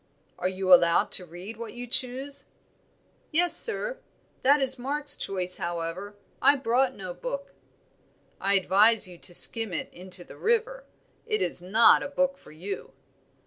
"Are you allowed to read what you choose?" "Yes, sir. That is Mark's choice, however; I brought no book." "I advise you to skim it into the river; it is not a book for you."